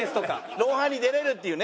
『ロンハー』に出れるっていうね。